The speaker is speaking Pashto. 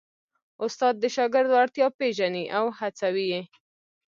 استاد د شاګرد وړتیا پېژني او هڅوي یې.